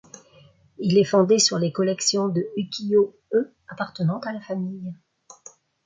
Il est fondé sur les collections de ukiyo-e appartenant à la famille.